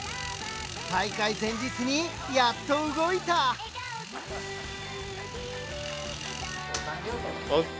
大会前日にやっと動いた！ＯＫ！